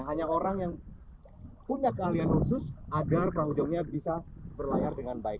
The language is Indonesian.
hanya orang yang punya keahlian khusus agar perahu jongnya bisa berlayar dengan baik